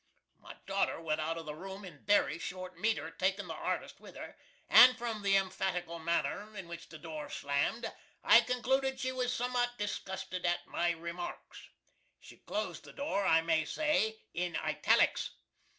My daughter went out of the room in very short meeter, takin' the artist with her, and from the emphatical manner in which the door slam'd, I concluded she was summat disgusted at my remarks. She closed the door, I may say, in ITALICS.